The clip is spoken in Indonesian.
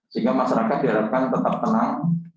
sehingga masyarakat diharapkan tetap tenang